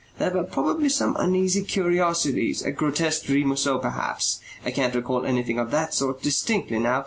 There were probably some uneasy curiosities, a grotesque dream or so perhaps; I can't recall anything of that sort distinctly now.